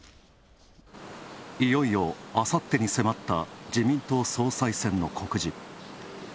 いよいよ、あさってに迫った自民党総裁選の告示。